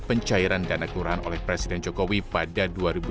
pencairan dana kelurahan oleh presiden jokowi pada dua ribu dua puluh